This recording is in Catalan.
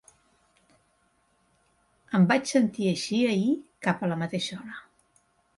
Em vaig sentir així ahir cap a la mateixa hora.